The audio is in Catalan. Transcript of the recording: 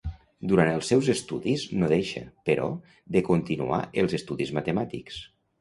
Durant els seus estudis no deixa, però, de continuar els estudis matemàtics.